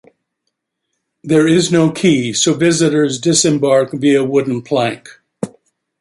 There is no quay, so visitors disembark via wooden plank.